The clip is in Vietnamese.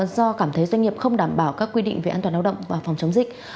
do cảm thấy doanh nghiệp không đảm bảo các quy định về an toàn lao động và phòng chống dịch